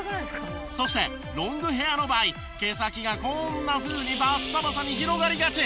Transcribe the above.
そしてロングヘアの場合毛先がこんなふうにバッサバサに広がりがち。